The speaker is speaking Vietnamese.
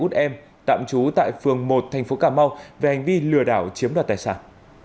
diệp thị út em tạm trú tại phường một thành phố cà mau về hành vi lừa đảo chiếm đoạt tài sản